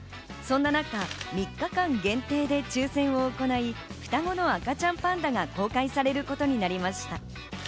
そんな中、３日間限定で抽選を行い、双子の赤ちゃんパンダが公開されることになりました。